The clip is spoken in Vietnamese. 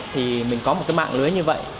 thì mình có một mạng lưới như vậy